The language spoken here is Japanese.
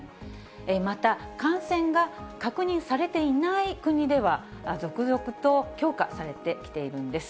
また感染が確認されていない国では、続々と強化されてきているんです。